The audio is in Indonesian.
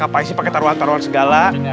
apa sih pakai taruhan taruhan segala